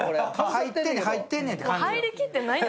入ってんねん入ってんねんって感じ。